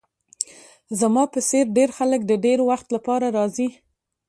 زما په څیر ډیر خلک د ډیر وخت لپاره راځي